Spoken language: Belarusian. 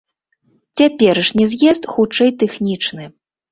Цяперашні з'езд хутчэй тэхнічны.